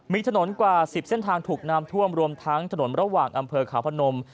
มีถนนกว่า๑๐เส้นทางถูกน้ำท่วมรวมทั้งถนนระหว่างอำเภอขาวพนม